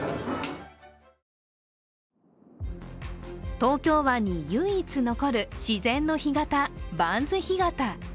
東京湾に唯一残る自然の干潟、盤洲干潟。